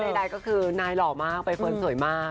ใช่แต่ว่าใดก็คือนายหล่อมากใบเฟิร์นสวยมาก